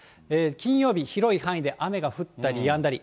金曜日、広い範囲で雨が降ったりやんだり。